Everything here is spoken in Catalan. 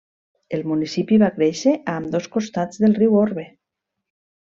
El municipi va créixer a ambdós costats del riu Orbe.